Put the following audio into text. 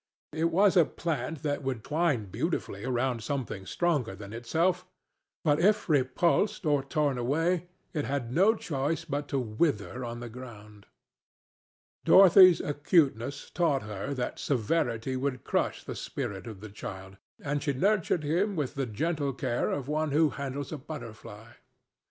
It was a plant that would twine beautifully round something stronger than itself; but if repulsed or torn away, it had no choice but to wither on the ground. Dorothy's acuteness taught her that severity would crush the spirit of the child, and she nurtured him with the gentle care of one who handles a butterfly.